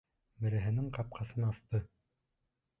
Береһенең ҡапҡасын асты.